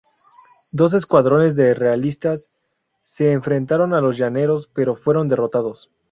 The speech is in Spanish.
Dos escuadrones de realistas se enfrentaron a los llaneros, pero fueron derrotados.